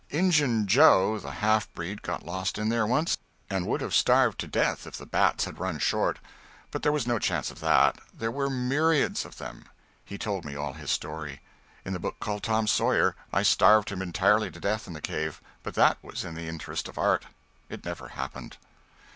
"Injun Joe" the half breed got lost in there once, and would have starved to death if the bats had run short. But there was no chance of that; there were myriads of them. He told me all his story. In the book called "Tom Sawyer" I starved him entirely to death in the cave, but that was in the interest of art; it never happened.